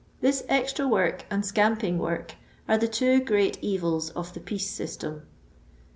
This extra work and scamping work are the two great evils of the piece system.